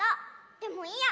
でもいいや！